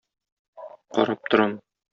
Карап торам.